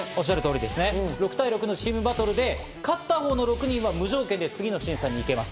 ６対６のチームバトルで勝ったほうのチームは無条件で次の審査に行けます。